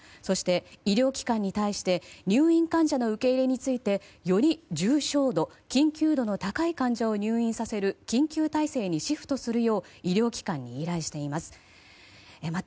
そして、医療機関に対して入院患者の受け入れについてより重症度、緊急度の高い患者を入院させる緊急体制にシフトするよう医療機関に依頼しています。